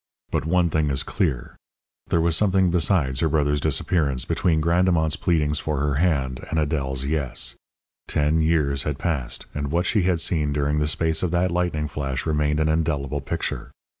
But one thing is clear there was something besides her brother's disappearance between Grandemont's pleadings for her hand and Adèle's "yes." Ten years had passed, and what she had seen during the space of that lightning flash remained an indelible picture.